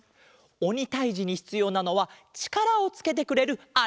おにたいじにひつようなのはちからをつけてくれるあれだわん。